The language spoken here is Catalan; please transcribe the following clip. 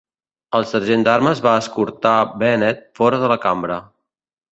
El sergent d'armes va escortar Bennett fora de la cambra.